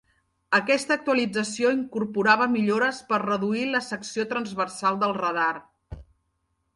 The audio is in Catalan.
Aquesta actualització incorporava millores per reduir la secció transversal del radar.